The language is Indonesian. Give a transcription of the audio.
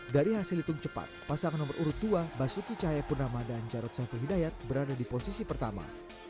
dari hasil hitung cepat pasangan nomor urut dua basuki cahaya purnama dan carot sahabat hidayat berada di posisi pertama